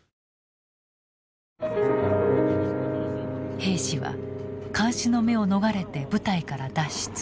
兵士は監視の目を逃れて部隊から脱出。